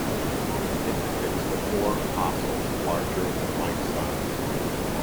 It depicts the four apostles larger-than-life-size.